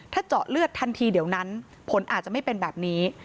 ถ้าเจาะเลือดทันทีเดี๋ยวนั้นผลอาจจะไม่เป็นแบบนี้